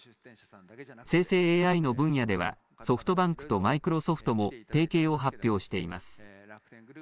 生成ＡＩの分野では、ソフトバンクとマイクロソフトも提携を発表しています。